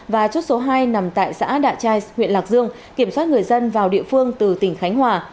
và chốt số hai nằm tại xã đạ trai huyện lạc dương kiểm soát người dân vào địa phương từ tỉnh khánh hòa